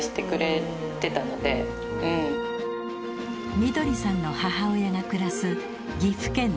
みどりさんの母親が暮らす。